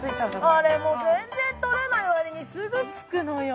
あれも全然取れない割にすぐつくのよ